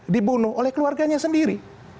dibunuh oleh keluarganya sendiri